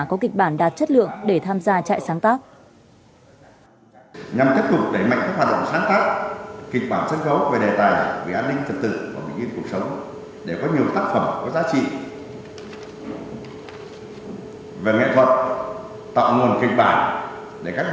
có kịch bản đạt chất lượng để tham gia trại sáng tác